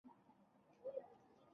ته پوهېږې بریدمنه، له جګړې مو هېڅ.